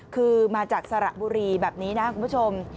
คือมาจากสระบุรีแบบนี้นะครับคุณผู้ชม